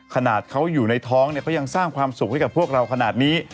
ขนาดเขาอยู่ในท้องเนี่ยเขายังสร้างความสุขให้กับพวกเราขนาดนี้